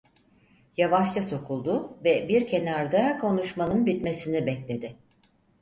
Yavaşça sokuldu ve bir kenarda konuşmanın bitmesini bekledi.